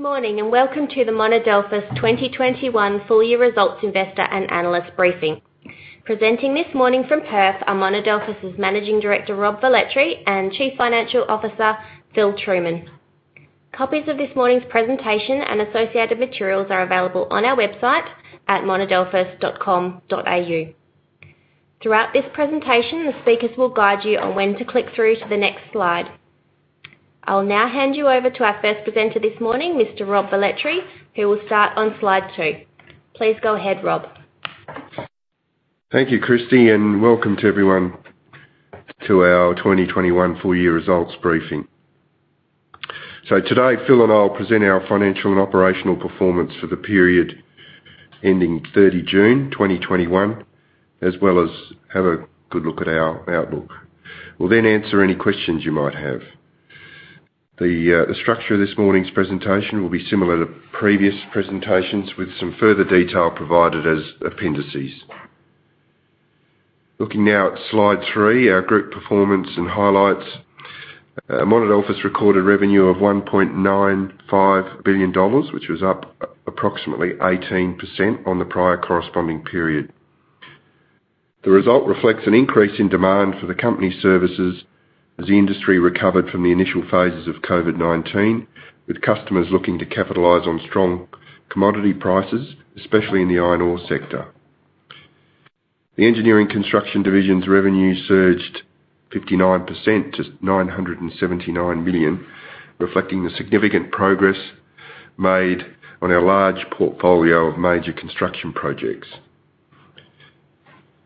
Good morning, welcome to the Monadelphous 2021 Full Year Results Investor and Analyst Briefing. Presenting this morning from Perth are Monadelphous' Managing Director, Rob Velletri, and Chief Financial Officer, Phil Trueman. Copies of this morning's presentation and associated materials are available on our website at monadelphous.com.au. Throughout this presentation, the speakers will guide you on when to click through to the next slide. I'll now hand you over to our first presenter this morning, Mr Rob Velletri, who will start on slide two. Please go ahead, Rob. Thank you, Kristy, and welcome to everyone to our 2021 Full Year Results Briefing. Today, Phil and I will present our financial and operational performance for the period ending 30 June 2021, as well as have a good look at our outlook. We'll answer any questions you might have. The structure of this morning's presentation will be similar to previous presentations, with some further detail provided as appendices. Looking now at slide three, our group performance and highlights. Monadelphous recorded revenue of 1.95 billion dollars, which was up approximately 18% on the prior corresponding period. The result reflects an increase in demand for the company's services as the industry recovered from the initial phases of COVID-19, with customers looking to capitalize on strong commodity prices, especially in the iron ore sector. The Engineering Construction division's revenue surged 59% to 979 million, reflecting the significant progress made on our large portfolio of major construction projects.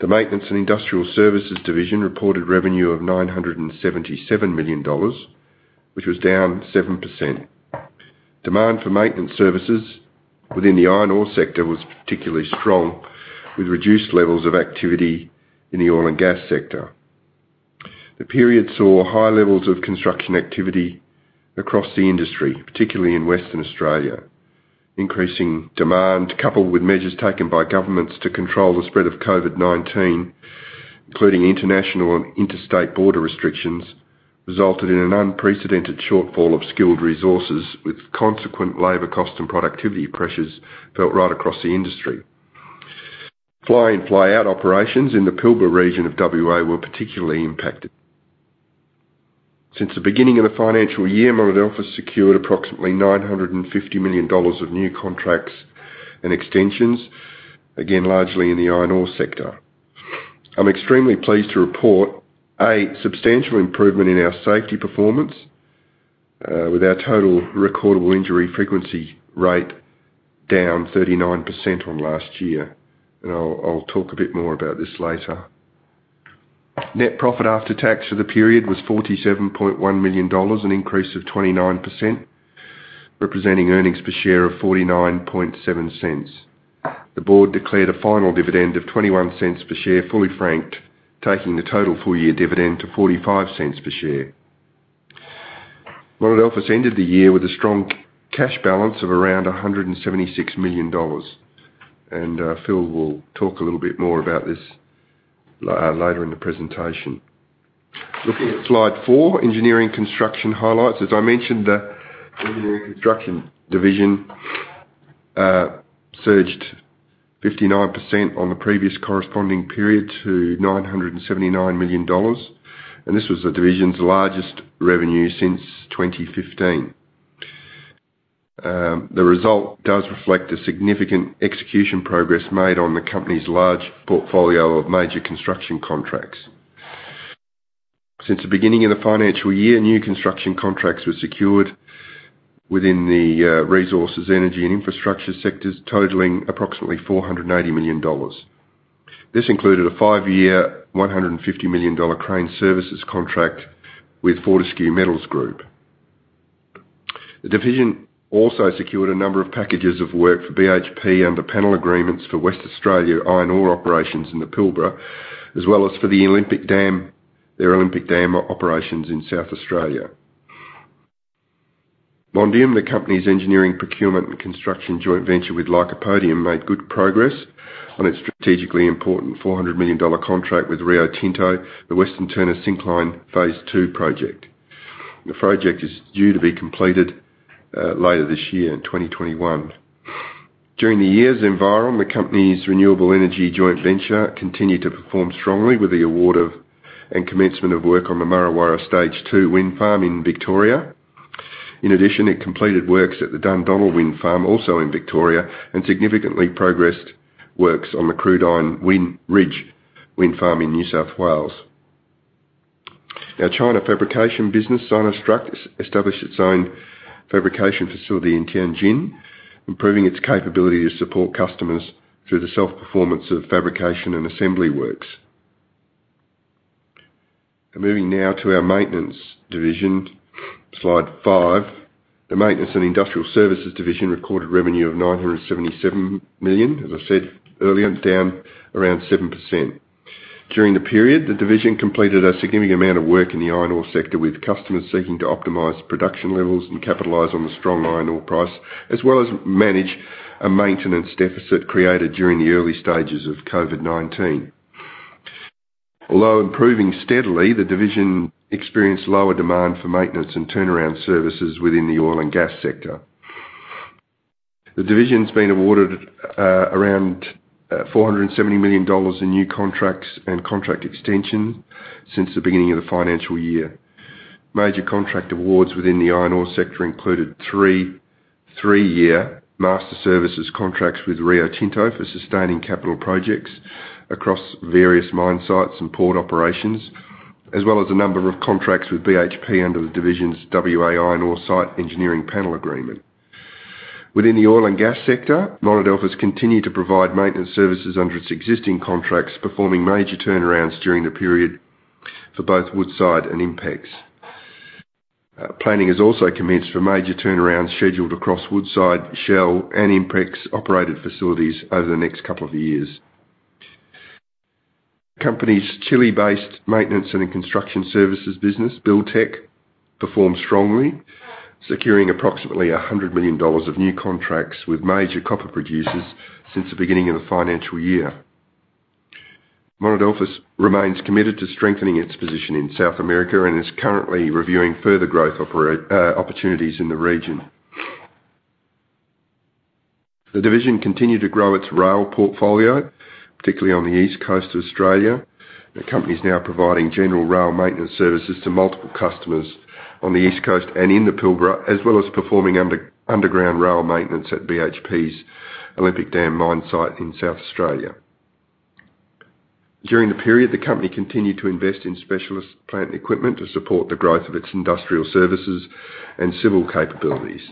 The Maintenance and Industrial Services division reported revenue of 977 million dollars, which was down 7%. Demand for maintenance services within the iron ore sector was particularly strong, with reduced levels of activity in the oil and gas sector. The period saw high levels of construction activity across the industry, particularly in Western Australia. Increasing demand, coupled with measures taken by governments to control the spread of COVID-19, including international and interstate border restrictions, resulted in an unprecedented shortfall of skilled resources, with consequent labor cost and productivity pressures felt right across the industry. Fly in, fly out operations in the Pilbara region of W.A. were particularly impacted. Since the beginning of the financial year, Monadelphous secured approximately 950 million dollars of new contracts and extensions, again, largely in the iron ore sector. I'm extremely pleased to report a substantial improvement in our safety performance, with our total recordable injury frequency rate down 39% on last year. I'll talk a bit more about this later. Net profit after tax for the period was 47.1 million dollars, an increase of 29%, representing earnings per share of 0.497. The board declared a final dividend of 0.21 per share, fully franked, taking the total full-year dividend to 0.45 per share. Monadelphous ended the year with a strong cash balance of around 176 million dollars. Phil will talk a little bit more about this later in the presentation. Looking at slide four, Engineering Construction highlights. As I mentioned, the Engineering Construction division surged 59% on the previous corresponding period to AUD 979 million. This was the division's largest revenue since 2015. The result does reflect the significant execution progress made on the company's large portfolio of major construction contracts. Since the beginning of the financial year, new construction contracts were secured within the resources, energy, and infrastructure sectors totaling approximately 480 million dollars. This included a five-year, 150 million dollar crane services contract with Fortescue Metals Group. The division also secured a number of packages of work for BHP under panel agreements for Western Australia iron ore operations in the Pilbara, as well as for their Olympic Dam operations in South Australia. Mondium, the company's engineering, procurement, and construction joint venture with Lycopodium, made good progress on its strategically important 400 million dollar contract with Rio Tinto, the Western Turner Syncline Phase 2 project. The project is due to be completed later this year in 2021. During the years, Zenviron, the company's renewable energy joint venture, continued to perform strongly with the award of and commencement of work on the Murra Warra Stage II Wind Farm in Victoria. In addition, it completed works at the Dundonnell Wind Farm, also in Victoria, and significantly progressed works on the Crudine Ridge Wind Farm in New South Wales. Our China fabrication business, SinoStruct, established its own fabrication facility in Tianjin, improving its capability to support customers through the self-performance of fabrication and assembly works. Moving now to our Maintenance division, slide five. The Maintenance and Industrial Services division recorded revenue of 977 million. As I said earlier, down around 7%. During the period, the division completed a significant amount of work in the iron ore sector with customers seeking to optimize production levels and capitalize on the strong iron ore price, as well as manage a maintenance deficit created during the early stages of COVID-19. Although improving steadily, the division experienced lower demand for maintenance and turnaround services within the oil and gas sector. The division's been awarded around 470 million dollars in new contracts and contract extensions since the beginning of the financial year. Major contract awards within the iron ore sector included three three-year master services contracts with Rio Tinto for sustaining capital projects across various mine sites and port operations, as well as a number of contracts with BHP under the division's W.A. Iron Ore Site Engineering Panel Agreement. Within the oil and gas sector, Monadelphous continued to provide maintenance services under its existing contracts, performing major turnarounds during the period for both Woodside and INPEX. Planning has also commenced for major turnarounds scheduled across Woodside, Shell, and INPEX-operated facilities over the next couple of years. Company's Chile-based maintenance and construction services business, Buildtek, performed strongly, securing approximately 100 million dollars of new contracts with major copper producers since the beginning of the financial year. Monadelphous remains committed to strengthening its position in South America and is currently reviewing further growth opportunities in the region. The division continued to grow its rail portfolio, particularly on the East Coast of Australia. The company is now providing general rail maintenance services to multiple customers on the East Coast and in the Pilbara, as well as performing underground rail maintenance at BHP's Olympic Dam mine site in South Australia. During the period, the company continued to invest in specialist plant equipment to support the growth of its industrial services and civil capabilities.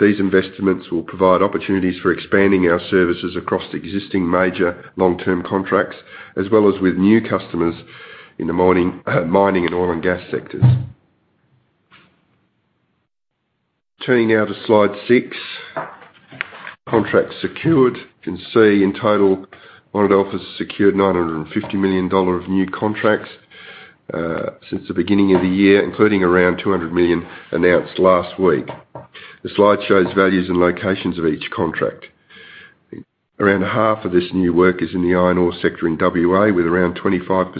These investments will provide opportunities for expanding our services across existing major long-term contracts, as well as with new customers in the mining and oil and gas sectors. Turning now to slide six, Contracts Secured. You can see in total, Monadelphous has secured 950 million dollar of new contracts since the beginning of the year, including around 200 million announced last week. The slide shows values and locations of each contract. Around half of this new work is in the iron ore sector in WA, with around 25%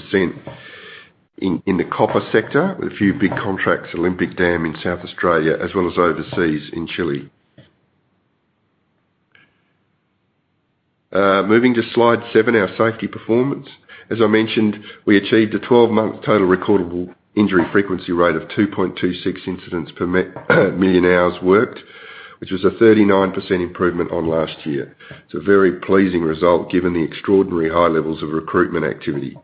in the copper sector, with a few big contracts, Olympic Dam in South Australia, as well as overseas in Chile. Moving to slide seven, our safety performance. As I mentioned, we achieved a 12-month total recordable injury frequency rate of 2.26 incidents per million hours worked, which was a 39% improvement on last year. It's a very pleasing result given the extraordinary high levels of recruitment activity.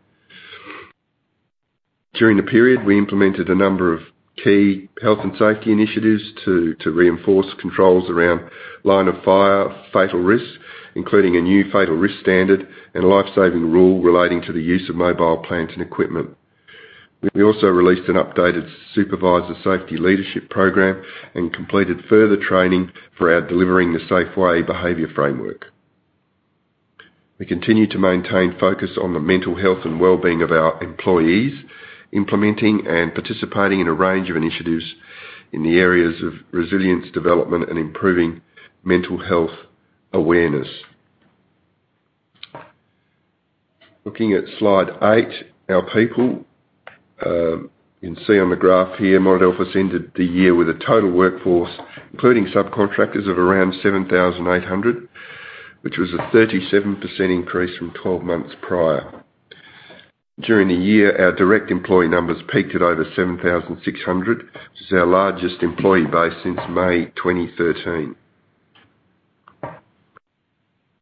During the period, we implemented a number of key health and safety initiatives to reinforce controls around line of fire fatal risk, including a new fatal risk standard and a life-saving rule relating to the use of mobile plant and equipment. We also released an updated Supervisor Safety Leadership program and completed further training for our Delivering the Safe Way behavior framework. We continue to maintain focus on the mental health and wellbeing of our employees, implementing and participating in a range of initiatives in the areas of resilience development and improving mental health awareness. Looking at slide eight, Our People. You can see on the graph here, Monadelphous ended the year with a total workforce, including subcontractors, of around 7,800, which was a 37% increase from 12 months prior. During the year, our direct employee numbers peaked at over 7,600. This is our largest employee base since May 2013.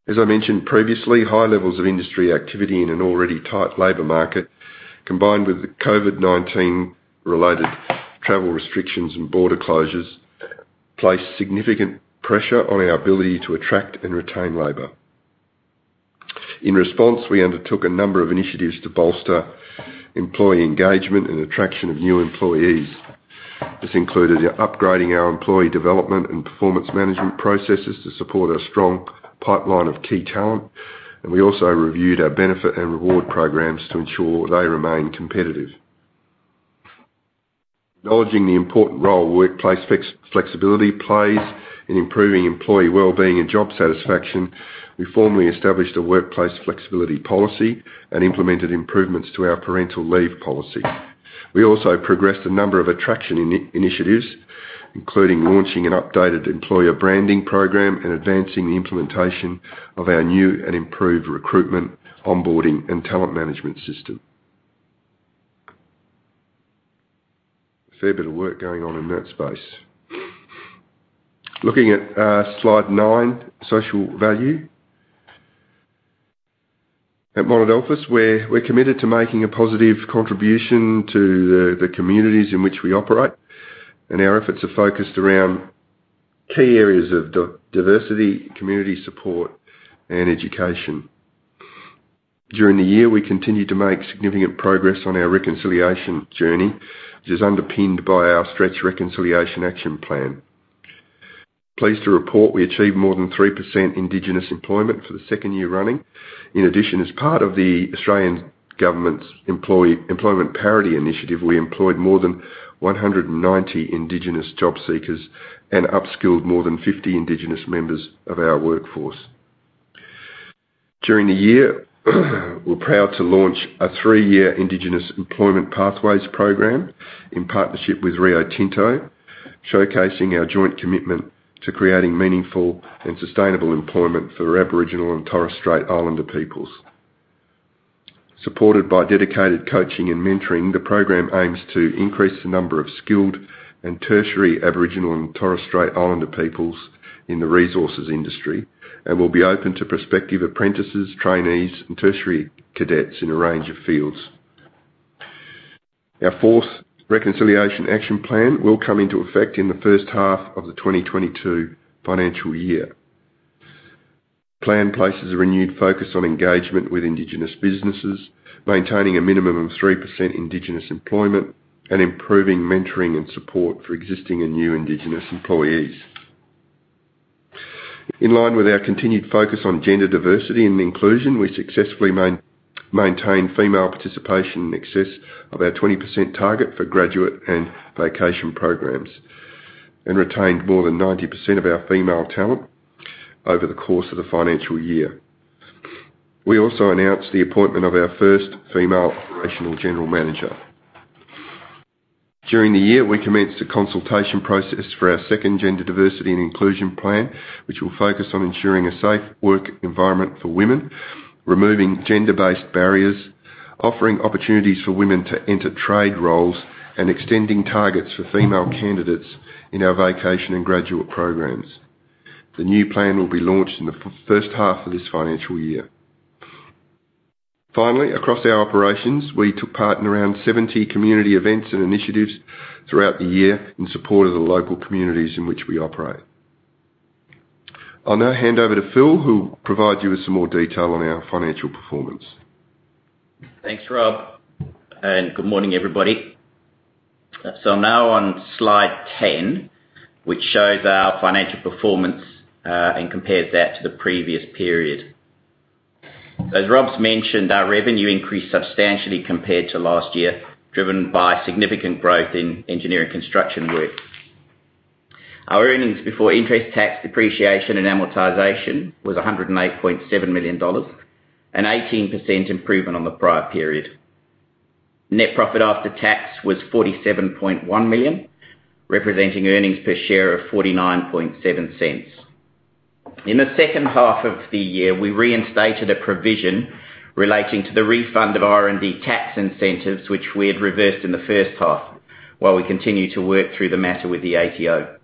As I mentioned previously, high levels of industry activity in an already tight labor market, combined with the COVID-19 related travel restrictions and border closures, placed significant pressure on our ability to attract and retain labor. In response, we undertook a number of initiatives to bolster employee engagement and attraction of new employees. This included upgrading our employee development and performance management processes to support a strong pipeline of key talent. We also reviewed our benefit and reward programs to ensure they remain competitive. Acknowledging the important role workplace flexibility plays in improving employee wellbeing and job satisfaction, we formally established a workplace flexibility policy and implemented improvements to our parental leave policy. We also progressed a number of attraction initiatives, including launching an updated employer branding program and advancing the implementation of our new and improved recruitment, onboarding, and talent management system. A fair bit of work going on in that space. Looking at slide nine, Social Value. At Monadelphous, we're committed to making a positive contribution to the communities in which we operate, and our efforts are focused around key areas of diversity, community support, and education. During the year, we continued to make significant progress on our reconciliation journey, which is underpinned by our Stretch Reconciliation Action Plan. Pleased to report we achieved more than 3% Indigenous employment for the second year running. In addition, as part of the Australian Government's Employment Parity Initiative, we employed more than 190 Indigenous job seekers and upskilled more than 50 Indigenous members of our workforce. During the year, we're proud to launch a three-year Indigenous Employment Pathways Program in partnership with Rio Tinto, showcasing our joint commitment to creating meaningful and sustainable employment for Aboriginal and Torres Strait Islander peoples. Supported by dedicated coaching and mentoring, the program aims to increase the number of skilled and tertiary Aboriginal and Torres Strait Islander peoples in the resources industry and will be open to prospective apprentices, trainees, and tertiary cadets in a range of fields. Our fourth Reconciliation Action Plan will come into effect in the first half of the 2022 financial year. Plan places a renewed focus on engagement with Indigenous businesses, maintaining a minimum of 3% Indigenous employment, and improving mentoring and support for existing and new Indigenous employees. In line with our continued focus on gender diversity and inclusion, we successfully maintained female participation in excess of our 20% target for graduate and vacation programs and retained more than 90% of our female talent over the course of the financial year. We also announced the appointment of our first female operational general manager. During the year, we commenced a consultation process for our second Gender Diversity and Inclusion Plan, which will focus on ensuring a safe work environment for women, removing gender-based barriers, offering opportunities for women to enter trade roles, and extending targets for female candidates in our vacation and graduate programs. The new plan will be launched in the first half of this financial year. Across our operations, we took part in around 70 community events and initiatives throughout the year in support of the local communities in which we operate. I'll now hand over to Phil, who will provide you with some more detail on our financial performance. Thanks, Rob. Good morning, everybody. I'm now on slide 10, which shows our financial performance, and compares that to the previous period. As Rob's mentioned, our revenue increased substantially compared to last year, driven by significant growth in Engineering Construction work. Our earnings before interest, tax, depreciation, and amortization was 108.7 million dollars, an 18% improvement on the prior period. Net profit after tax was 47.1 million, representing earnings per share of 0.497. In the second half of the year, we reinstated a provision relating to the refund of R&D tax incentives, which we had reversed in the first half, while we continue to work through the matter with the ATO.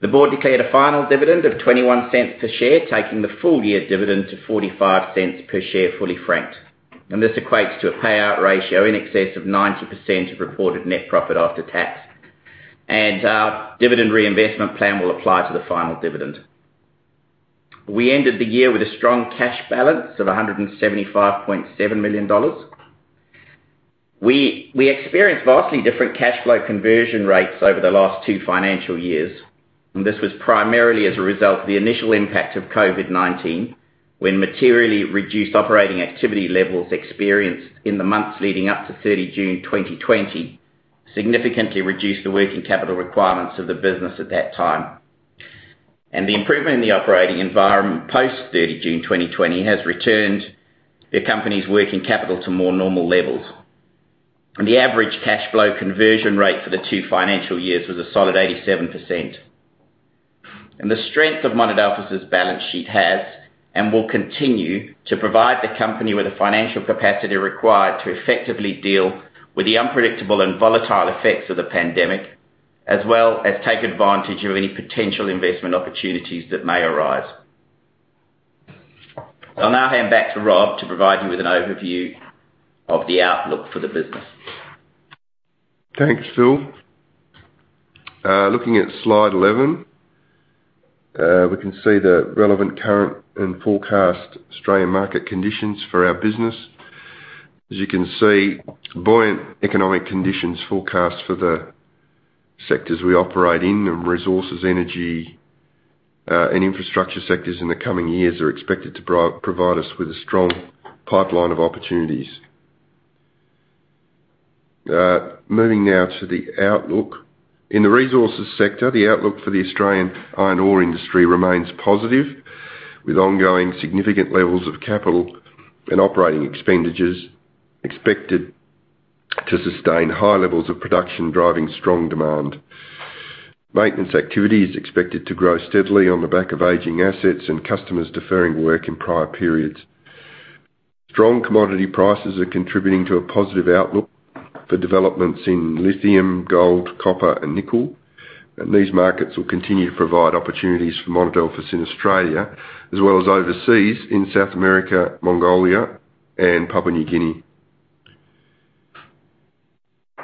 The board declared a final dividend of 0.21 per share, taking the full-year dividend to 0.45 per share, fully franked. This equates to a payout ratio in excess of 90% of reported net profit after tax. Our Dividend Reinvestment Plan will apply to the final dividend. We ended the year with a strong cash balance of 175.7 million dollars. We experienced vastly different cash flow conversion rates over the last two financial years, this was primarily as a result of the initial impact of COVID-19, when materially reduced operating activity levels experienced in the months leading up to 30 June 2020 significantly reduced the working capital requirements of the business at that time. The improvement in the operating environment post 30 June 2020 has returned the company's working capital to more normal levels. The average cash flow conversion rate for the two financial years was a solid 87%. The strength of Monadelphous' balance sheet has and will continue to provide the company with the financial capacity required to effectively deal with the unpredictable and volatile effects of the pandemic, as well as take advantage of any potential investment opportunities that may arise. I'll now hand back to Rob to provide you with an overview of the outlook for the business. Thanks, Phil. Looking at slide 11, we can see the relevant current and forecast Australian market conditions for our business. As you can see, buoyant economic conditions forecast for the sectors we operate in, and resources, energy, and infrastructure sectors in the coming years are expected to provide us with a strong pipeline of opportunities. Moving now to the outlook. In the resources sector, the outlook for the Australian iron ore industry remains positive, with ongoing significant levels of capital and operating expenditures expected to sustain high levels of production, driving strong demand. Maintenance activity is expected to grow steadily on the back of aging assets and customers deferring work in prior periods. Strong commodity prices are contributing to a positive outlook for developments in lithium, gold, copper, and nickel. These markets will continue to provide opportunities for Monadelphous in Australia as well as overseas in South America, Mongolia, and Papua New Guinea.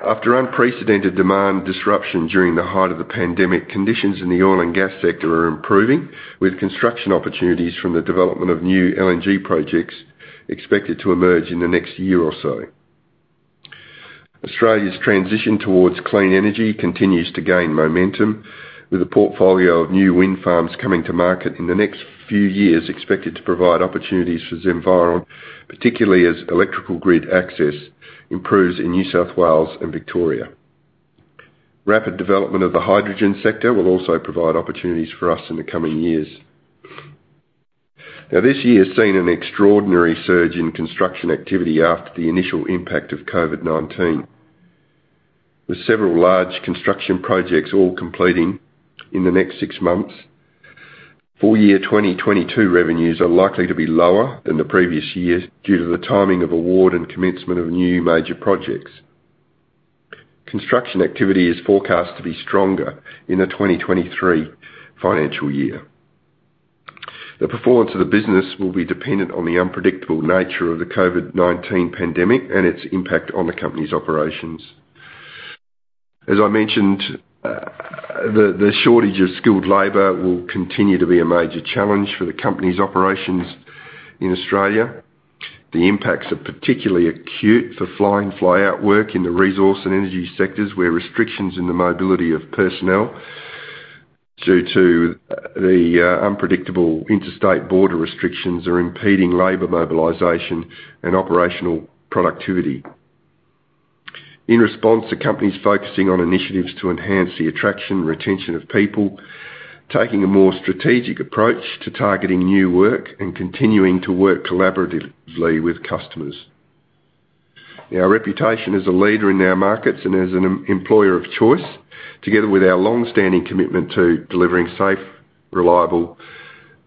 After unprecedented demand disruption during the height of the pandemic, conditions in the oil and gas sector are improving, with construction opportunities from the development of new LNG projects expected to emerge in the next year or so. Australia's transition towards clean energy continues to gain momentum, with a portfolio of new wind farms coming to market in the next few years expected to provide opportunities for Zenviron, particularly as electrical grid access improves in New South Wales and Victoria. Rapid development of the hydrogen sector will also provide opportunities for us in the coming years. This year's seen an extraordinary surge in construction activity after the initial impact of COVID-19. With several large construction projects all completing in the next six months, full year 2022 revenues are likely to be lower than the previous years due to the timing of award and commencement of new major projects. Construction activity is forecast to be stronger in the 2023 financial year. The performance of the business will be dependent on the unpredictable nature of the COVID-19 pandemic and its impact on the company's operations. As I mentioned, the shortage of skilled labor will continue to be a major challenge for the company's operations in Australia. The impacts are particularly acute for fly-in fly-out work in the resource and energy sectors, where restrictions in the mobility of personnel due to the unpredictable interstate border restrictions are impeding labor mobilization and operational productivity. In response, the company's focusing on initiatives to enhance the attraction and retention of people, taking a more strategic approach to targeting new work, and continuing to work collaboratively with customers. Our reputation as a leader in our markets and as an employer of choice, together with our longstanding commitment to delivering safe, reliable,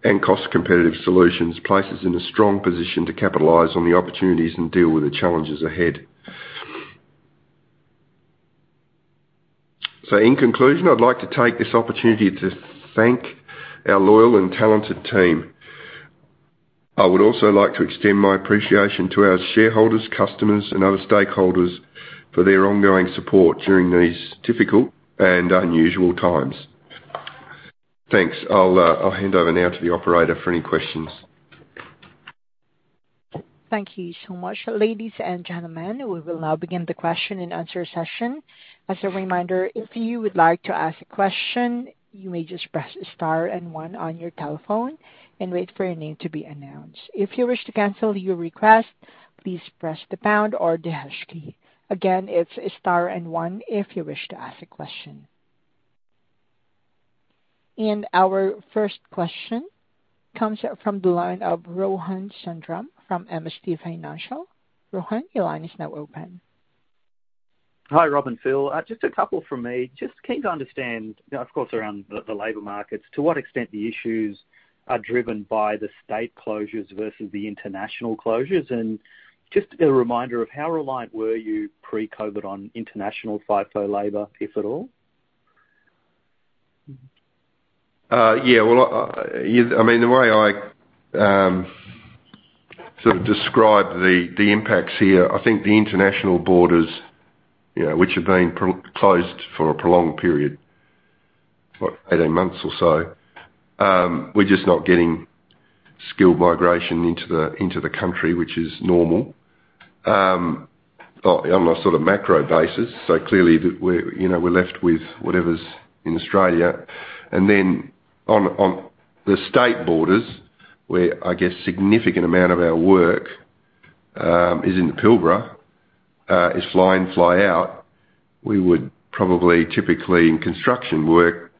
and cost-competitive solutions, places us in a strong position to capitalize on the opportunities and deal with the challenges ahead. In conclusion, I'd like to take this opportunity to thank our loyal and talented team. I would also like to extend my appreciation to our shareholders, customers, and other stakeholders for their ongoing support during these difficult and unusual times. Thanks. I'll hand over now to the operator for any questions. Thank you so much. Ladies and gentlemen, we will now begin the question and answer session. As a reminder, if you would like to ask a question, you may just press star and one on your telephone and wait for your name to be announced. If you wish to cancel your request, please press the pound or the hash key. Again, it's star and one if you wish to ask a question. Our first question comes from the line of Rohan Sundram from MST Financial. Rohan, your line is now open. Hi, Rob and Phil. Just a couple from me. Just keen to understand, of course, around the labor markets, to what extent the issues are driven by the state closures versus the international closures. Just a reminder of how reliant were you pre-COVID on international FIFO labor, if at all? The way I describe the impacts here, I think the international borders which have been closed for a prolonged period, what, 18 months or so, we are just not getting skilled migration into the country which is normal on a macro basis. Clearly, we are left with whatever is in Australia. On the state borders, where I guess significant amount of our work is in the Pilbara, is fly-in fly-out. We would probably typically in construction work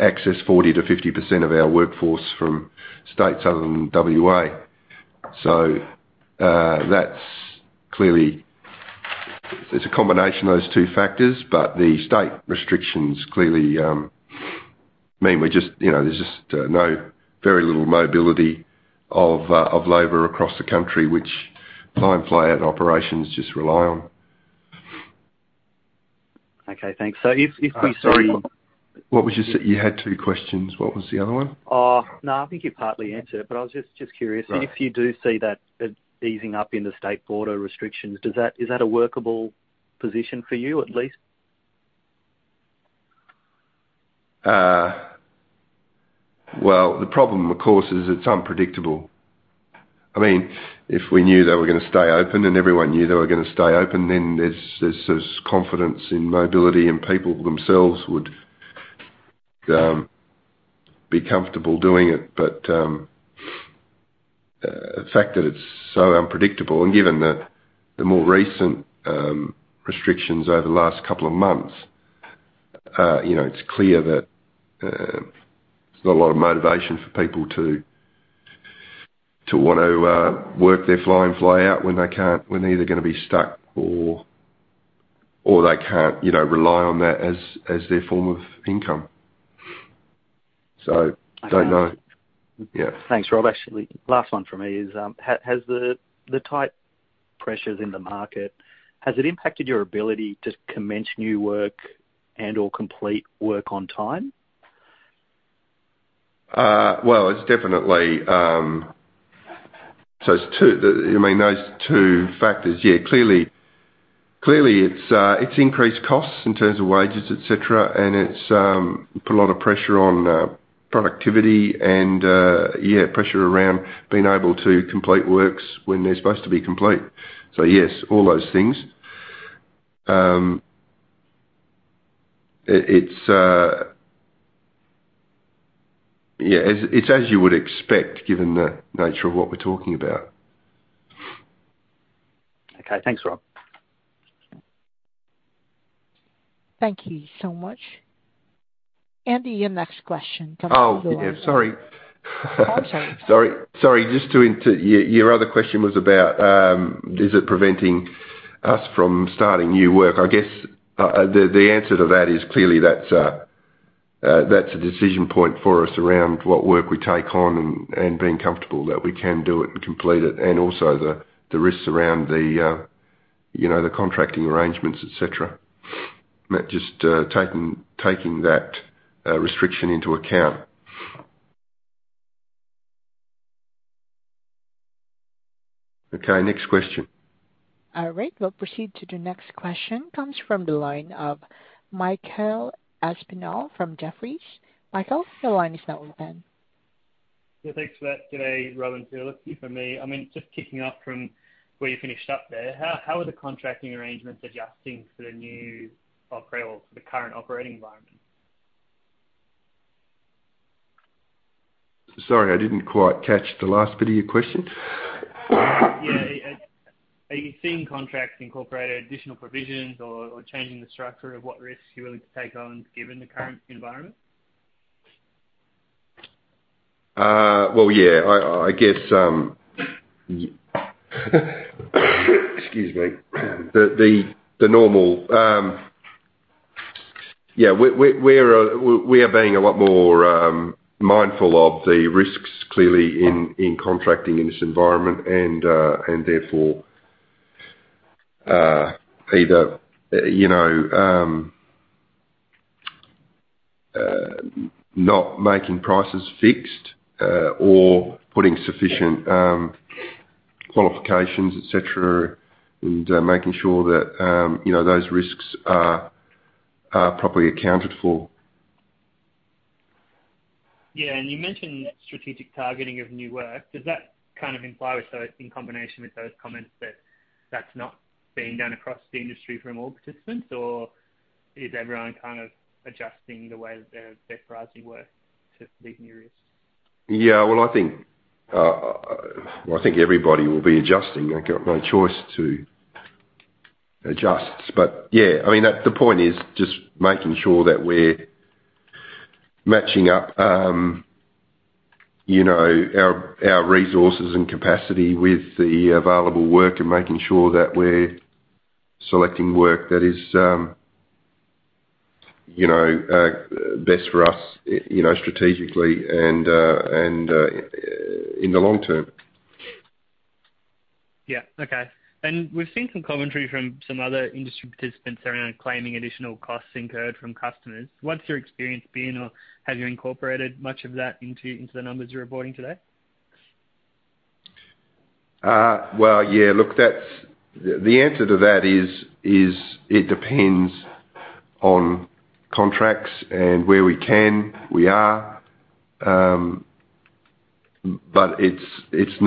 access 40%-50% of our workforce from states other than WA. It is a combination of those two factors. The state restrictions clearly mean there is just very little mobility of labor across the country, which fly-in fly-out operations just rely on. Okay, thanks. Sorry. You had two questions. What was the other one? Oh, no, I think you partly answered it, but I was just curious. Right. If you do see that easing up in the state border restrictions, is that a workable position for you, at least? The problem of course is it's unpredictable. If we knew they were going to stay open and everyone knew they were going to stay open, then there's confidence in mobility and people themselves would be comfortable doing it. The fact that it's so unpredictable and given the more recent restrictions over the last couple of months, it's clear that there's not a lot of motivation for people to want to work their fly-in fly-out when they're either going to be stuck or they can't rely on that as their form of income. Don't know. Yeah. Thanks, Rob. Actually, last one from me is, the tight pressures in the market, has it impacted your ability to commence new work and/or complete work on time? Well, those two factors, yeah. Clearly, it's increased costs in terms of wages, et cetera, and it's put a lot of pressure on productivity and pressure around being able to complete works when they're supposed to be complete. Yes, all those things. It's as you would expect, given the nature of what we're talking about. Okay, thanks, Rob. Thank you so much. And your next question comes from the line of- Oh, yeah. Sorry. Oh, I'm sorry. Sorry. Your other question was about, is it preventing us from starting new work? I guess, the answer to that is clearly that's a decision point for us around what work we take on and being comfortable that we can do it and complete it, and also the risks around the contracting arrangements, et cetera. Just taking that restriction into account. Okay, next question. All right, we'll proceed to the next question, comes from the line of Michael Aspinall from Jefferies. Michael, the line is now open. Yeah, thanks for that today, Rob and Philip. If I may, just kicking off from where you finished up there, how are the contracting arrangements adjusting for the current operating environment? Sorry, I didn't quite catch the last bit of your question. Yeah. Are you seeing contracts incorporating additional provisions or changing the structure of what risks you're willing to take on given the current environment? Well, yeah. I guess, excuse me. We are being a lot more mindful of the risks, clearly, in contracting in this environment and therefore, either not making prices fixed or putting sufficient qualifications, et cetera, and making sure that those risks are properly accounted for. Yeah. You mentioned strategic targeting of new work. Does that kind of imply with those, in combination with those comments, that that's not being done across the industry from all participants, or is everyone kind of adjusting the way that they're pricing work to meet new risks? Yeah. Well, I think everybody will be adjusting. They've got no choice to adjust. The point is just making sure that we're matching up our resources and capacity with the available work and making sure that we're selecting work that is best for us strategically and in the long term. Okay. We've seen some commentary from some other industry participants around claiming additional costs incurred from customers. What's your experience been, or have you incorporated much of that into the numbers you're reporting today? Well, yeah, look, the answer to that is, it depends on contracts and where we can, we are. It's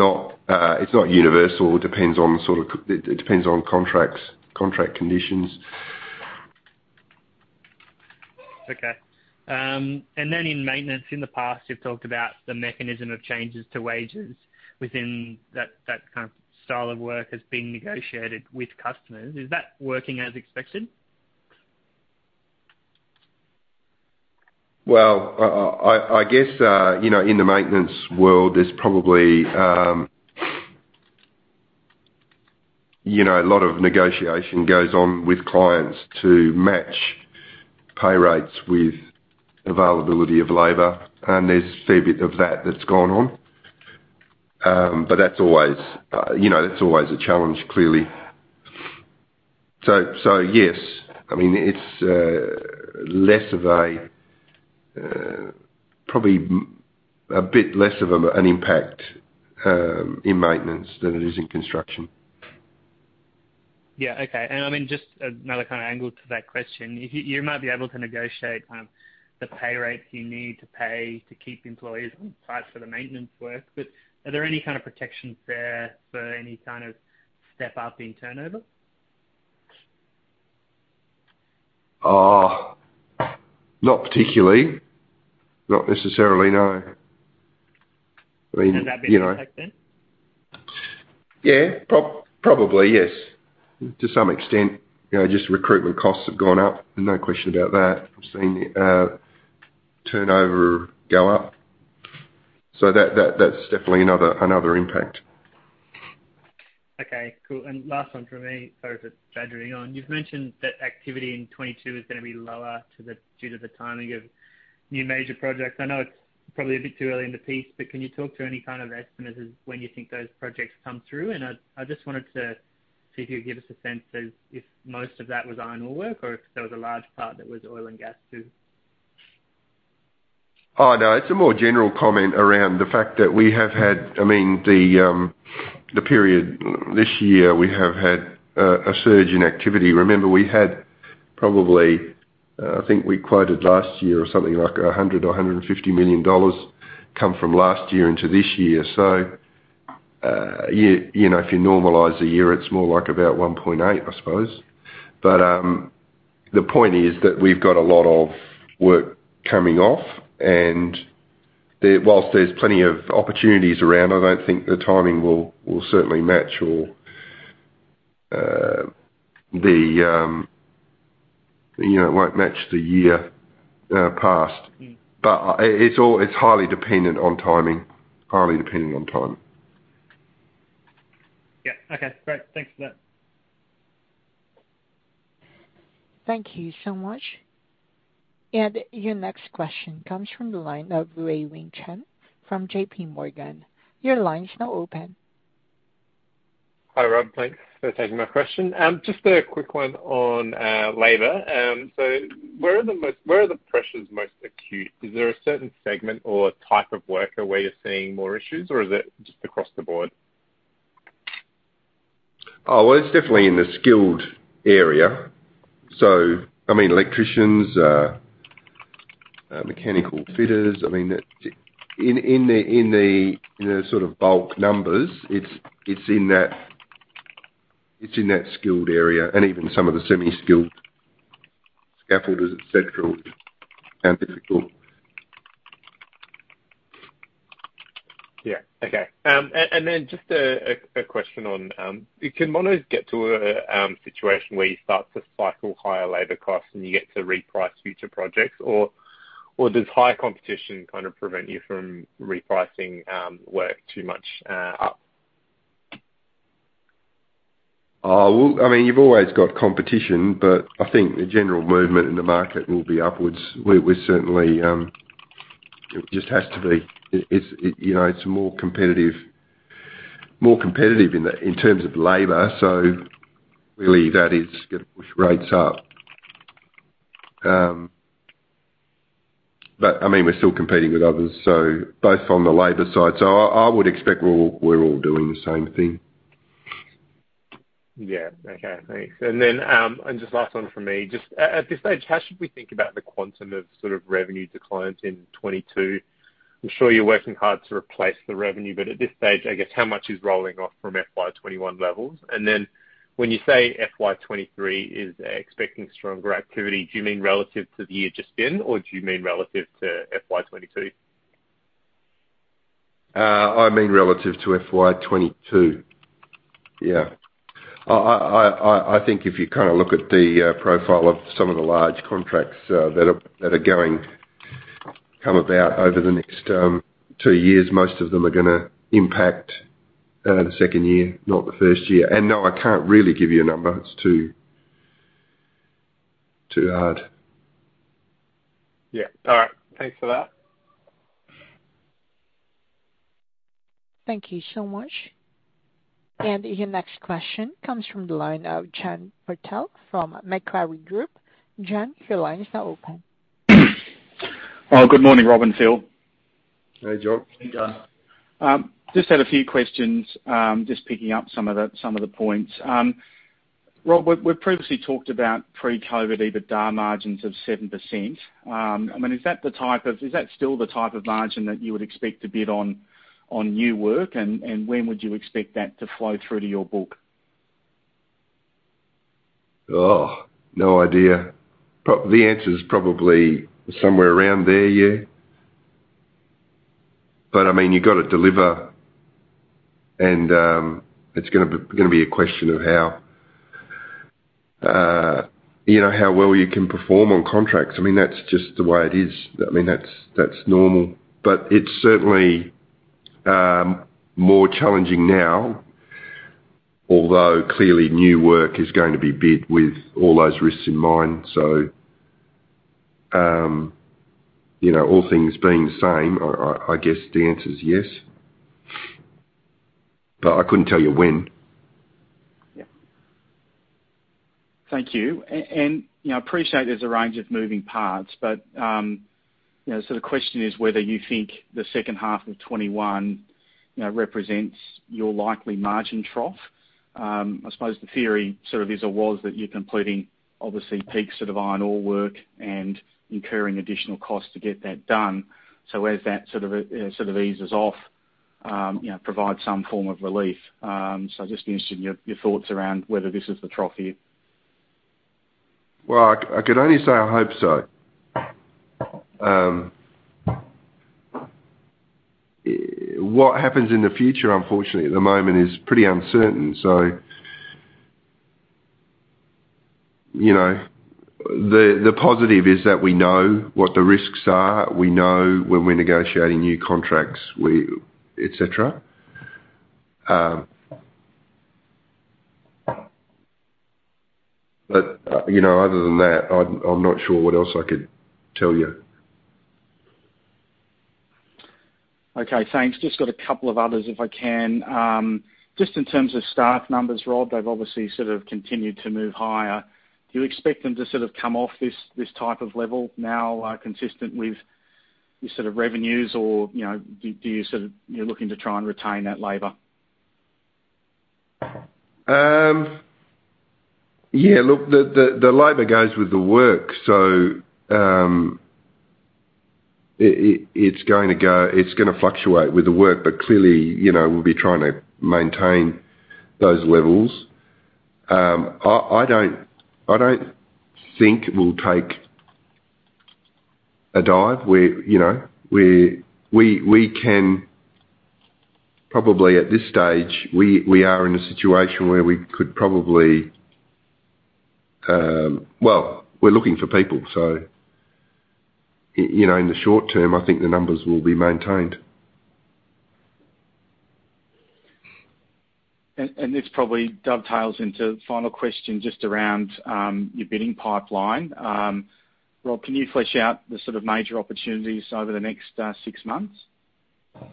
not universal. It depends on contract conditions. Okay. In maintenance, in the past, you've talked about the mechanism of changes to wages within that kind of style of work as being negotiated with customers. Is that working as expected? Well, I guess, in the maintenance world, there's probably a lot of negotiation goes on with clients to match pay rates with availability of labor, and there's a fair bit of that that's gone on. That's always a challenge, clearly. Yes. It's probably a bit less of an impact in maintenance than it is in construction. Yeah, okay. Just another angle to that question. You might be able to negotiate the pay rates you need to pay to keep employees on site for the maintenance work, but are there any kind of protections there for any kind of step up in turnover? Not particularly. Not necessarily, no. That being a factor? Yeah. Probably, yes. To some extent, just recruitment costs have gone up, no question about that. We've seen turnover go up. That's definitely another impact. Okay, cool. Last one from me, sorry for badgering on. You've mentioned that activity in 2022 is gonna be lower due to the timing of new major projects. I know it's probably a bit too early in the piece, but can you talk to any kind of estimates as when you think those projects come through? I just wanted to see if you could give us a sense as if most of that was iron ore work or if there was a large part that was oil and gas too? Oh, no. It's a more general comment around the fact that we have had the period this year, we have had a surge in activity. Remember, we had probably, I think we quoted last year or something like 100 million dollars or AUD 150 million come from last year into this year. If you normalize the year, it's more like about 1.8, I suppose. The point is that we've got a lot of work coming off, and whilst there's plenty of opportunities around, I don't think the timing will certainly match or won't match the year past. It's highly dependent on timing. Highly dependent on time. Yeah. Okay, great. Thanks for that. Thank you so much. Your next question comes from the line of Wei-Weng Chen from JPMorgan. Your line is now open. Hi, Rob. Thanks for taking my question. Just a quick one on labor. Where are the pressures most acute? Is there a certain segment or type of worker where you're seeing more issues or is it just across the board? Oh, well, it's definitely in the skilled area. Electricians, mechanical fitters. In the sort of bulk numbers, it's in that skilled area and even some of the semi-skilled, scaffolders, et cetera, and physical. Yeah. Okay. Then just a question on, can Monadelphous get to a situation where you start to cycle higher labor costs and you get to reprice future projects? Does higher competition kind of prevent you from repricing work too much up? Well, you've always got competition, but I think the general movement in the market will be upwards. It just has to be. It's more competitive in terms of labor, so really that is going to push rates up. We're still competing with others, both on the labor side. I would expect we're all doing the same thing. Yeah. Okay, thanks. Last one from me, at this stage, how should we think about the quantum of sort of revenue declines in FY 2022? I'm sure you're working hard to replace the revenue, but at this stage, I guess how much is rolling off from FY 2021 levels? When you say FY 2023 is expecting stronger activity, do you mean relative to the year just in or do you mean relative to FY 2022? I mean relative to FY 2022. Yeah. I think if you kind of look at the profile of some of the large contracts that are going to come about over the next two years, most of them are going to impact the second year, not the first year. No, I can't really give you a number. It's too hard. Yeah. All right. Thanks for that. Thank you so much. Your next question comes from the line of John Purtell from Macquarie Group. John, your line is now open. Good morning, Rob and Phil. Hey, John. Hey, John. Just had a few questions, just picking up some of the points. Rob, we've previously talked about pre-COVID EBITDA margins of 7%. Is that still the type of margin that you would expect to bid on new work? When would you expect that to flow through to your book? Oh, no idea. The answer's probably somewhere around there, yeah. You got to deliver and it's going to be a question of how well you can perform on contracts. That's just the way it is. That's normal. It's certainly more challenging now, although clearly new work is going to be bid with all those risks in mind. All things being the same, I guess the answer is yes. I couldn't tell you when. Thank you. I appreciate there's a range of moving parts, but the question is whether you think the second half of 2021 represents your likely margin trough. I suppose the theory sort of is or was that you're completing obviously peaks of iron ore work and incurring additional costs to get that done. As that sort of eases off, provide some form of relief. Just interested in your thoughts around whether this is the trough year. I could only say I hope so. What happens in the future, unfortunately, at the moment is pretty uncertain. The positive is that we know what the risks are. We know when we're negotiating new contracts, et cetera. Other than that, I'm not sure what else I could tell you. Okay, thanks. Just got a couple of others if I can. Just in terms of staff numbers, Rob, they've obviously sort of continued to move higher. Do you expect them to sort of come off this type of level now, consistent with your sort of revenues or do you sort of you're looking to try and retain that labor? Yeah, look, the labor goes with the work. It's going to fluctuate with the work, but clearly, we'll be trying to maintain those levels. I don't think we'll take a dive. Probably at this stage, we are in a situation where we could probably, well, we're looking for people. In the short term, I think the numbers will be maintained. This probably dovetails into the final question just around your bidding pipeline. Rob, can you flesh out the sort of major opportunities over the next six months? Yeah.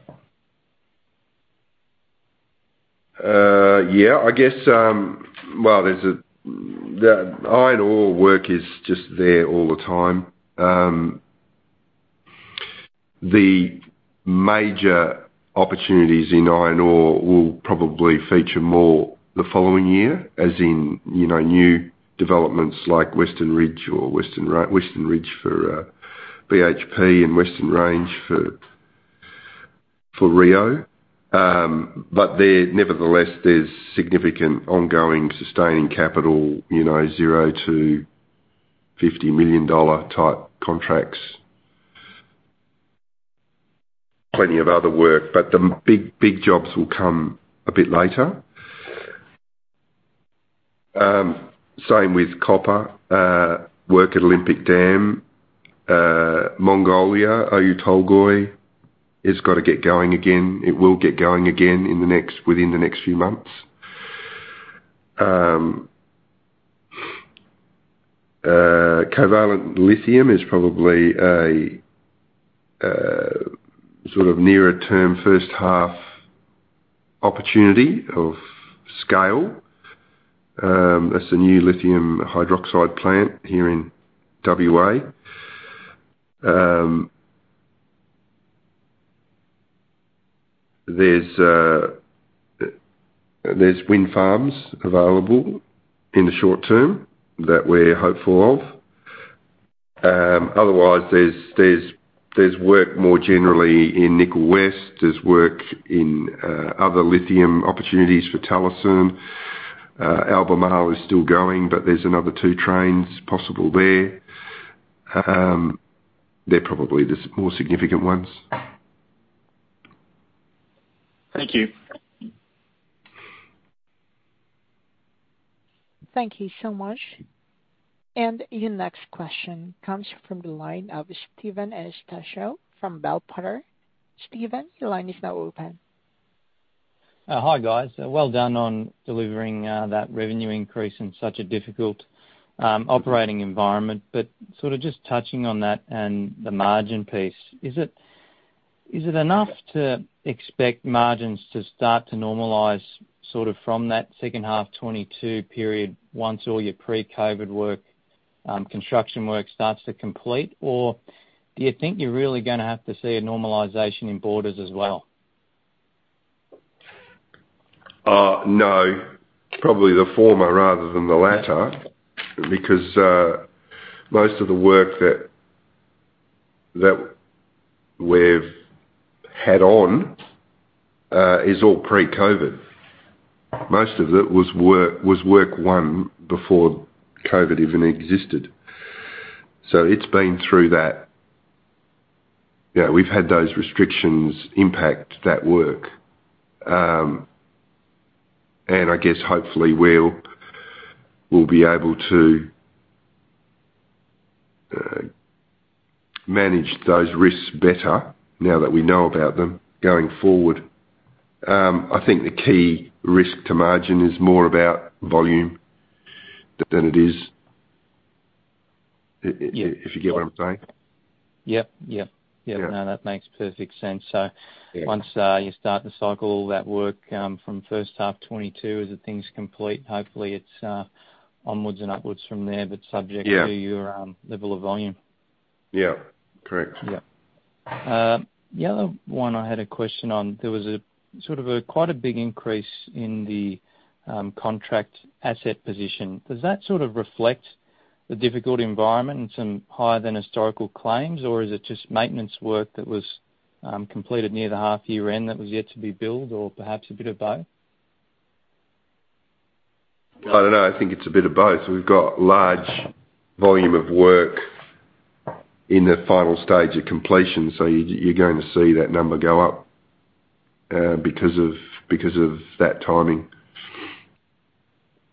The iron ore work is just there all the time. The major opportunities in iron ore will probably feature more the following year, as in new developments like Western Ridge for BHP and Western Range for Rio. Nevertheless, there's significant ongoing sustaining capital 0-50 million dollar type contracts. Plenty of other work, but the big jobs will come a bit later. Same with copper, work at Olympic Dam. Mongolia, Oyu Tolgoi has got to get going again. It will get going again within the next few months. Covalent Lithium is probably a sort of nearer term, first half opportunity of scale. That's a new lithium hydroxide plant here in W.A. There's wind farms available in the short term that we're hopeful of. Otherwise, there's work more generally in Nickel West. There's work in other lithium opportunities for Talison. Albemarle is still going, but there's another two trains possible there. They're probably the more significant ones. Thank you. Thank you so much. Your next question comes from the line of Steven Anastasiou from Bell Potter. Steven, your line is now open. Hi, guys. Well done on delivering that revenue increase in such a difficult operating environment. Sort of just touching on that and the margin piece, is it enough to expect margins to start to normalize sort of from that second half 2022 period once all your pre-COVID construction work starts to complete? Do you think you're really gonna have to see a normalization in borders as well? No. Probably the former rather than the latter, because most of the work that we've had on is all pre-COVID. Most of it was work won before COVID even existed. It's been through that. We've had those restrictions impact that work. I guess hopefully we'll be able to manage those risks better now that we know about them going forward. I think the key risk to margin is more about volume than it is, if you get what I'm saying. Yep. Yeah. No, that makes perfect sense. Once you start to cycle all that work from first half 2022, as the things complete, hopefully it's onwards and upwards from there. Yeah To your level of volume. Yeah. Correct. Yeah. The other one I had a question on, there was sort of quite a big increase in the contract asset position. Does that sort of reflect the difficult environment and some higher than historical claims, or is it just maintenance work that was completed near the half year end that was yet to be billed, or perhaps a bit of both? I don't know. I think it's a bit of both. We've got large volume of work in the final stage of completion. You're going to see that number go up because of that timing.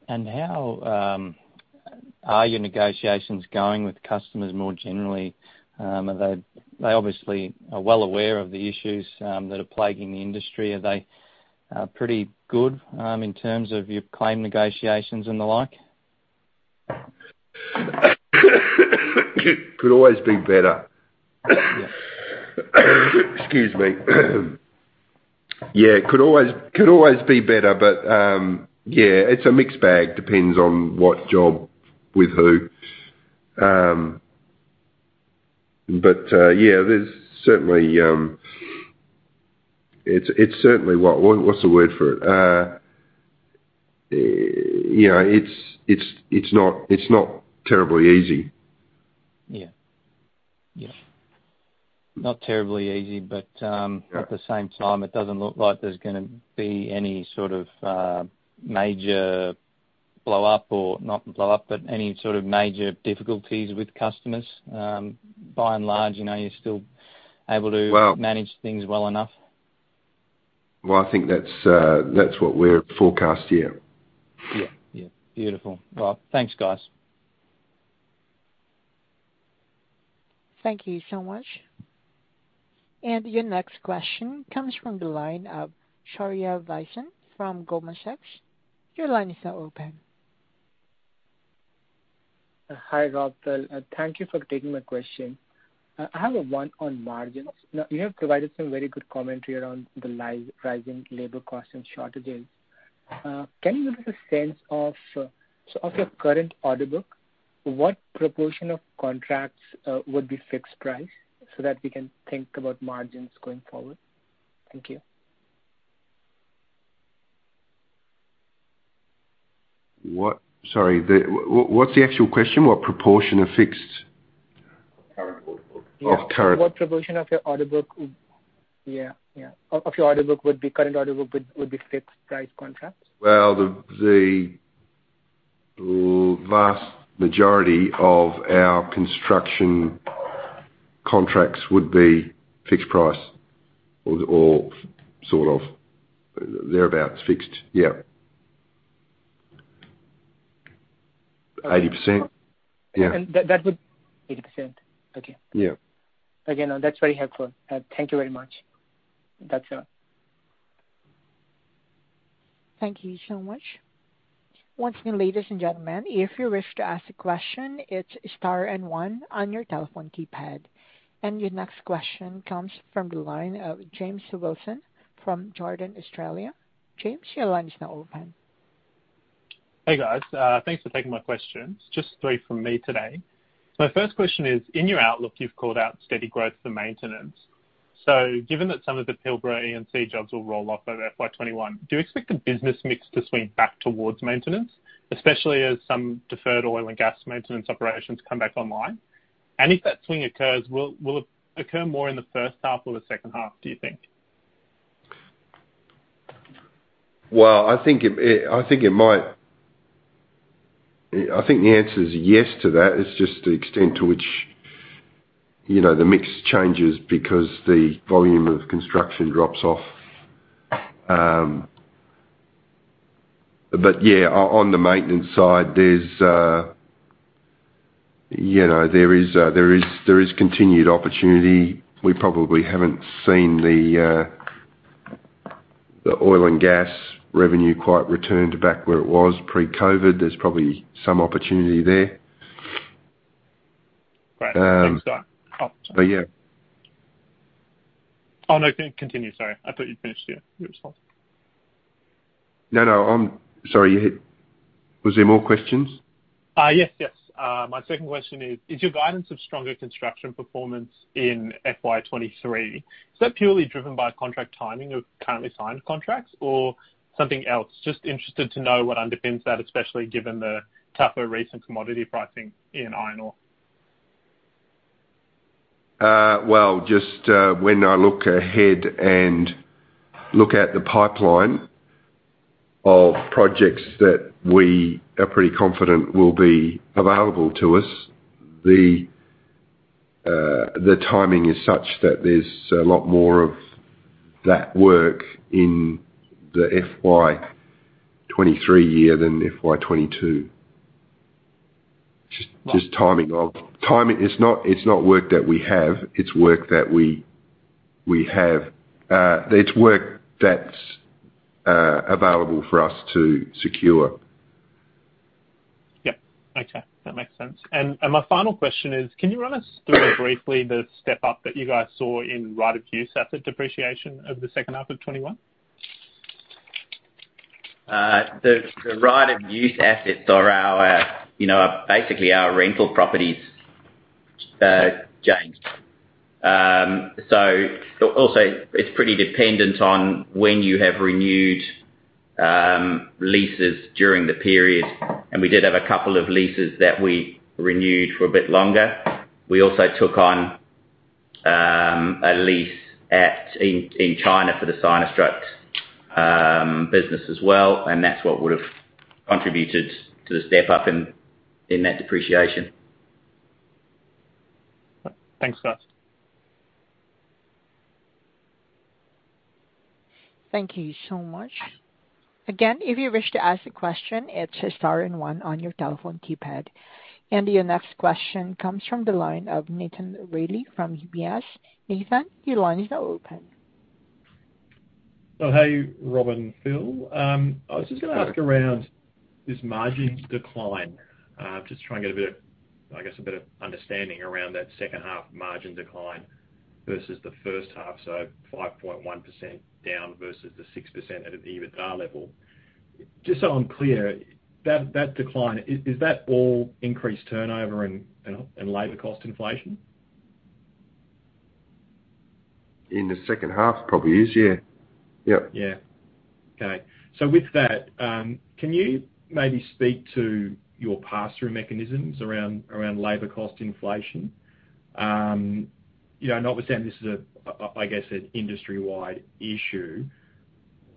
How are your negotiations going with customers more generally? They obviously are well aware of the issues that are plaguing the industry. Are they pretty good in terms of your claim negotiations and the like? Could always be better. Excuse me. Yeah, could always be better. Yeah, it's a mixed bag. Depends on what job with who. Yeah, it's certainly, what's the word for it? It's not terribly easy. Yeah. Not terribly easy, but. Yeah At the same time, it doesn't look like there's going to be any sort of major blow-up, or not blow-up, but any sort of major difficulties with customers. By and large, you're still able to- Well manage things well enough. Well, I think that's what we're forecast, yeah. Yeah. Beautiful. Well, thanks, guys. Thank you so much. Your next question comes from the line of Shaurya Visen from Goldman Sachs. Your line is now open. Hi, Rob, Phil. Thank you for taking my question. I have one on margins. Now, you have provided some very good commentary around the rising labor cost and shortages. Can you give us a sense of your current order book? What proportion of contracts would be fixed price so that we can think about margins going forward? Thank you. Sorry, what's the actual question? What proportion of fixed? Of current order book. Of current- What proportion of your current order book would be fixed price contracts? Well, the vast majority of our construction contracts would be fixed price or sort of thereabouts fixed, yeah. 80%. Yeah. That would 80%. Okay. Yeah. Okay, no, that is very helpful. Thank you very much. That is all. Thank you so much. Once again, ladies and gentlemen, if you wish to ask a question, it's star and one on your telephone keypad. Your next question comes from the line of James Wilson from Jarden Australia. James, your line is now open. Hey, guys. Thanks for taking my questions. Just three from me today. My first question is, in your outlook, you've called out steady growth for maintenance. Given that some of the Pilbara E&C jobs will roll off over FY 2021, do you expect the business mix to swing back towards maintenance, especially as some deferred oil and gas maintenance operations come back online? If that swing occurs, will it occur more in the first half or the second half, do you think? Well, I think the answer is yes to that. It's just the extent to which the mix changes because the volume of construction drops off. Yeah, on the maintenance side, there is continued opportunity. We probably haven't seen the oil and gas revenue quite return to back where it was pre-COVID. There's probably some opportunity there. Great. Thanks. Yeah. Oh, no. Continue, sorry. I thought you'd finished your response. No, I'm sorry. Was there more questions? Yes. My second question is your guidance of stronger construction performance in FY 2023, is that purely driven by contract timing of currently signed contracts or something else? Just interested to know what underpins that, especially given the tougher recent commodity pricing in iron ore. Well, just when I look ahead and look at the pipeline of projects that we are pretty confident will be available to us, the timing is such that there's a lot more of that work in the FY 2023 year than FY 2022. Just timing. It's not work that we have. It's work that's available for us to secure. Yep. Okay. That makes sense. My final question is, can you run us through briefly the step-up that you guys saw in right-of-use asset depreciation over the second half of 2021? The right-of-use assets are basically our rental properties, James. Also, it's pretty dependent on when you have renewed leases during the period, and we did have a couple of leases that we renewed for a bit longer. We also took on a lease in China for the SinoStruct business as well. That's what would've contributed to the step-up in that depreciation. Thanks, guys. Thank you so much. Again, if you wish to ask a question, it's star and one on your telephone keypad. Your next question comes from the line of Nathan Reilly from UBS. Nathan, your line is now open. Oh, hey, Rob and Phil. I was just going to ask around this margin decline, just to try and get a bit of, I guess, a bit of understanding around that second half margin decline versus the first half. 5.1% down versus the 6% at an EBITDA level. Just so I'm clear, that decline, is that all increased turnover and labor cost inflation? In the second half, probably is, yeah. Yep. Yeah. Okay. With that, can you maybe speak to your pass-through mechanisms around labor cost inflation? Notwithstanding, this is, I guess, an industry-wide issue.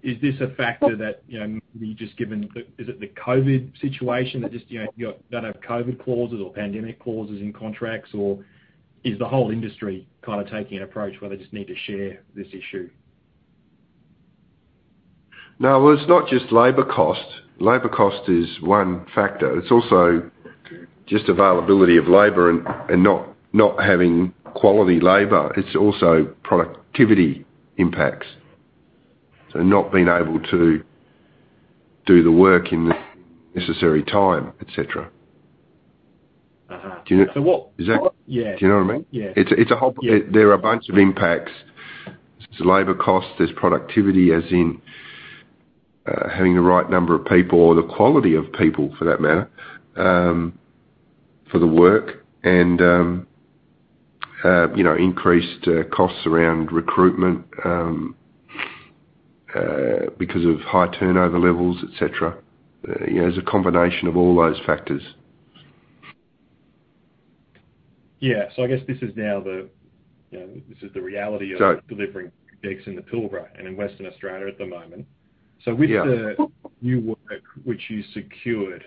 Is this a factor that maybe just Is it the COVID situation that just you now have COVID clauses or pandemic clauses in contracts, or is the whole industry kind of taking an approach where they just need to share this issue? No. Well, it's not just labor cost. Labor cost is one factor. It's also just availability of labor and not having quality labor. It's also productivity impacts, so not being able to do the work in the necessary time, et cetera. Do you know- Yeah. Do you know what I mean? Yeah. There are a bunch of impacts. There's labor cost, there's productivity as in having the right number of people or the quality of people, for that matter, for the work and increased costs around recruitment because of high turnover levels, et cetera. There's a combination of all those factors. Yeah. I guess this is the reality of. So- delivering in the Pilbara and in Western Australia at the moment. Yeah. With the new work which you secured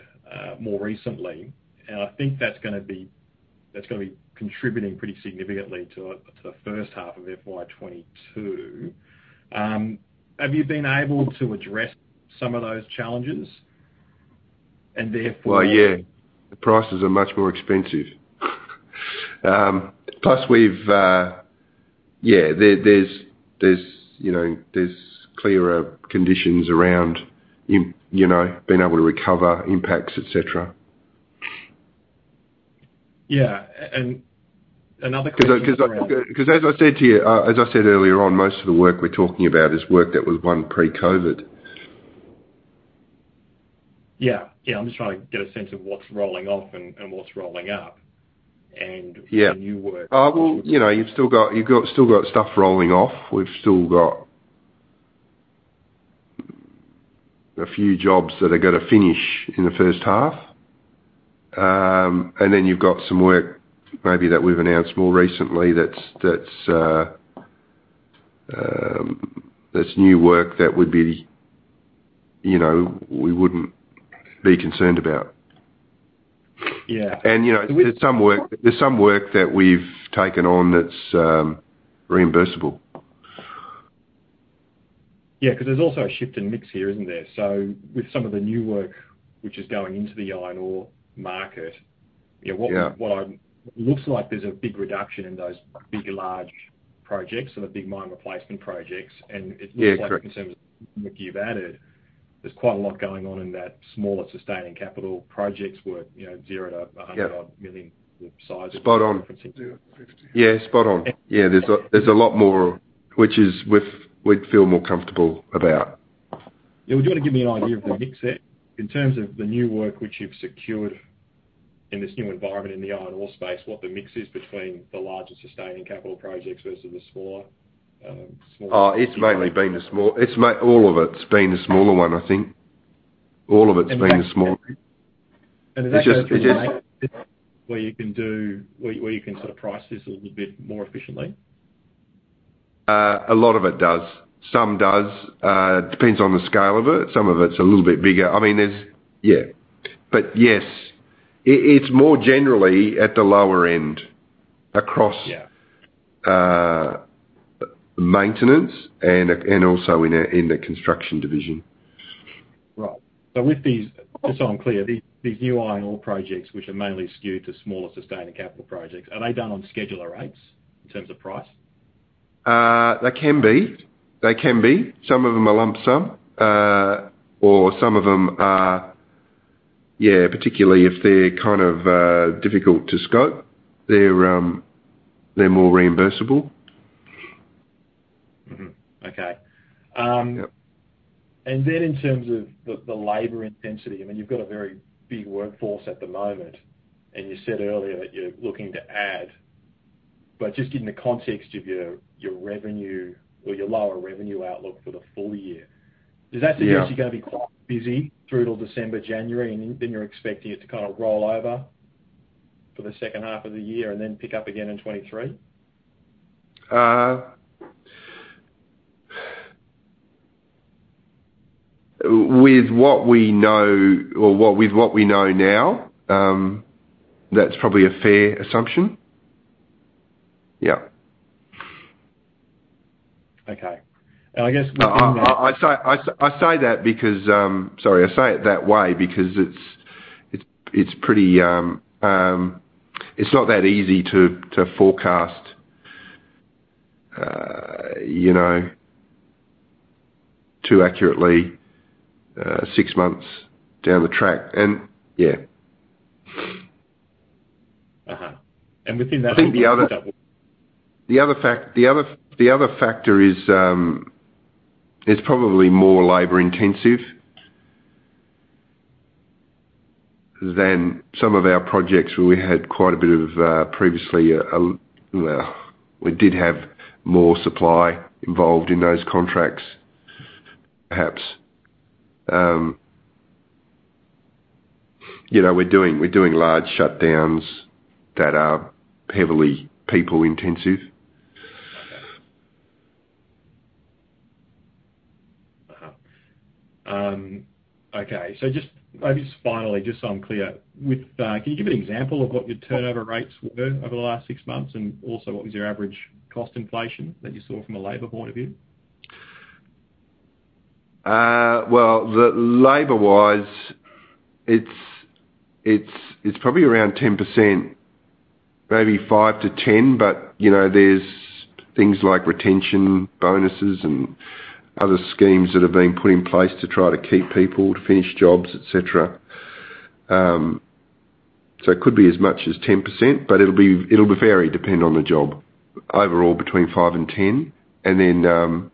more recently, and I think that's going to be contributing pretty significantly to the first half of FY 2022, have you been able to address some of those challenges? Well, yeah. The prices are much more expensive. Yeah, there's clearer conditions around being able to recover impacts, et cetera. Yeah. Another question. As I said to you, as I said earlier on, most of the work we're talking about is work that was won pre-COVID. Yeah. I'm just trying to get a sense of what's rolling off and what's rolling up. Yeah The new work- Well, you've still got stuff rolling off. We've still got a few jobs that are gonna finish in the first half. Then you've got some work maybe that we've announced more recently that's new work that we wouldn't be concerned about. Yeah. There's some work that we've taken on that's reimbursable. Because there's also a shift in mix here, isn't there? With some of the new work which is going into the iron ore market. Yeah it looks like there's a big reduction in those big, large projects and the big mine replacement projects. Yeah, correct. in terms of you've added, there's quite a lot going on in that smaller sustaining capital projects worth 0-100-. Yeah Odd million size of- Spot on. Yeah, spot on. Yeah, there's a lot more which we feel more comfortable about. Yeah. Would you want to give me an idea of the mix there? In terms of the new work which you've secured in this new environment in the iron ore space, what the mix is between the larger sustaining capital projects versus the smaller? All of it's been the smaller one, I think. Is that where you can sort of price this a little bit more efficiently? A lot of it does. Some does. It depends on the scale of it. Some of it's a little bit bigger. Yes. It's more generally at the lower end across- Yeah Maintenance and also in the Construction division. Right. With these, just so I'm clear, these new iron ore projects, which are mainly skewed to smaller sustaining capital projects, are they done on schedule of rates in terms of price? They can be. Some of them are lump sum. Some of them are, yeah, particularly if they're kind of difficult to scope, they're more reimbursable. Mm-hmm. Okay. Yep. In terms of the labor intensity, you've got a very big workforce at the moment, and you said earlier that you're looking to add. Just in the context of your revenue or your lower revenue outlook for the full year. Yeah Does that suggest you're gonna be quite busy through till December, January, and then you're expecting it to kind of roll over for the second half of the year and then pick up again in 2023? With what we know now, that's probably a fair assumption. Yeah. Okay. I guess I say that because, sorry, I say it that way because it's not that easy to forecast too accurately six months down the track. And within that- I think the other factor is it's probably more labor-intensive than some of our projects where we had quite a bit of previously. Well, we did have more supply involved in those contracts, perhaps. We're doing large shutdowns that are heavily people-intensive. Okay. just maybe finally, just so I'm clear, can you give me an example of what your turnover rates were over the last six months, and also what was your average cost inflation that you saw from a labor point of view? Well, labor-wise, it's probably around 10%, maybe 5%-10%, but there's things like retention bonuses and other schemes that have been put in place to try to keep people to finish jobs, et cetera. It could be as much as 10%, but it'll vary depending on the job. Overall, between 5% and 10%. Then,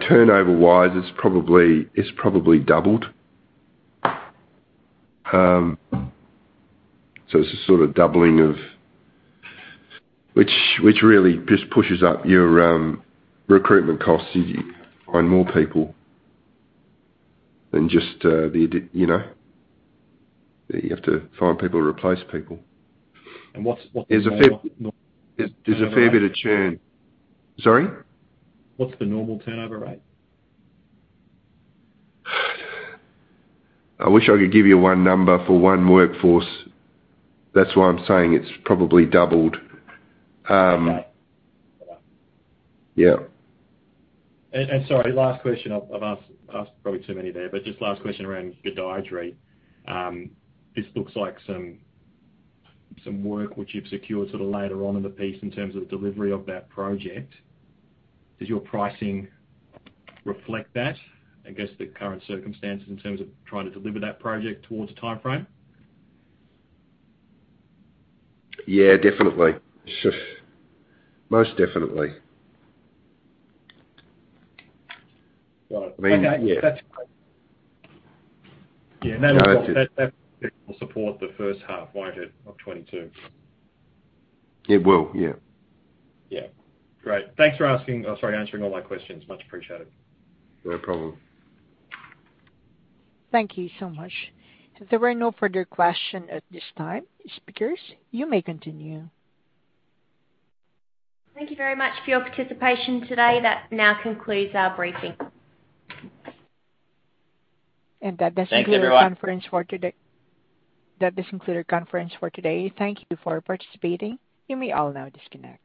turnover-wise, it's probably doubled. It's a sort of doubling, which really just pushes up your recruitment costs. You have to find people to replace people. What's the normal turnover rate? There's a fair bit of churn. Sorry? What's the normal turnover rate? I wish I could give you one number for one workforce. That's why I'm saying it's probably doubled. Okay. Got it. Yeah. Sorry, last question. I've asked probably too many there, but just last question around Gudai-Darri. This looks like some work which you've secured later on in the piece in terms of delivery of that project. Does your pricing reflect that? I guess the current circumstances in terms of trying to deliver that project towards the timeframe? Yeah, definitely. Most definitely. Right. Okay. That's great. I mean, yeah. Yeah. That project will support the first half, won't it, of 2022? It will, yeah. Yeah. Great. Thanks for asking, or sorry, answering all my questions. Much appreciated. No problem. Thank you so much. If there are no further questions at this time, speakers, you may continue. Thank you very much for your participation today. That now concludes our briefing. Thanks, everyone. That does conclude our conference for today. Thank you for participating. You may all now disconnect.